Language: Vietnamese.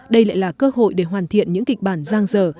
đây lại là cơ hội để hoàn thiện những kịch bản giang dở